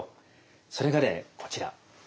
それがねこちら。